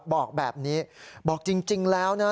บอกแบบนี้บอกจริงแล้วนะ